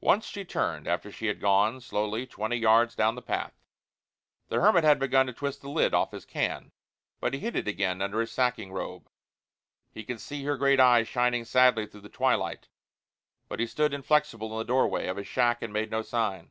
Once she turned after she had gone slowly twenty yards down the path. The hermit had begun to twist the lid off his can, but he hid it again under his sacking robe. He could see her great eyes shining sadly through the twilight; but he stood inflexible in the doorway of his shack and made no sign.